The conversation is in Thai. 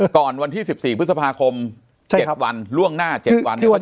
ก่อนวันที่๑๔พฤษภาคม๗วันร่วงหน้า๗วัน